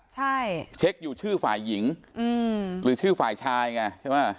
ใช่เช็คอยู่ชื่อฝ่ายหญิงอืมหรือชื่อฝ่ายชายไงใช่ไหม